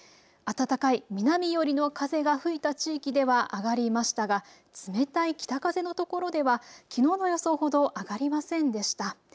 暖かい南寄りの風が吹いた地域では上りましたが冷たい北風のところでは、きのうの予想ほど上がりませんでした。